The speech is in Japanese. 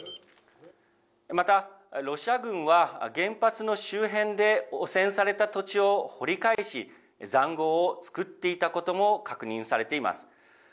また、ロシア軍は原発の周辺で汚染された土地を掘り返し、ざんごうを作っていたことも確認されています。